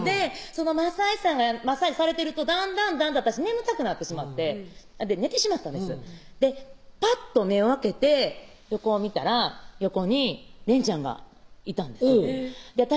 そのマッサージ師さんがマッサージされてるとだんだんだんだん私眠たくなってしまって寝てしまったんですぱっと目を開けて横を見たら横に連ちゃんがいたんです私